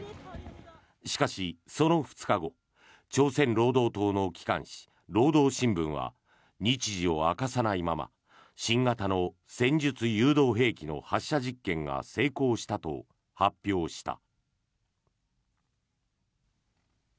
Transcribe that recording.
しかし、その２日後朝鮮労働党の機関紙労働新聞は日時を明かさないまま新型の戦術誘導兵器の発射実験が成功したと発表した。